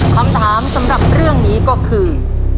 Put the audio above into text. คำถามสำหรับเรื่องนี้ก็คือ